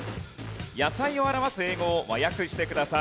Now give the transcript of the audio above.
野菜を表す英語を和訳してください。